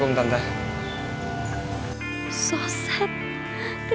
pengending aku gak lah wit